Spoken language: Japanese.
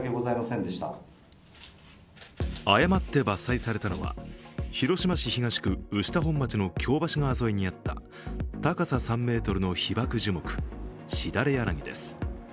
誤って伐採されたのは広島市東区牛田本町の京橋川沿いにあった高さ３ｍの被爆樹木シダレヤナギです。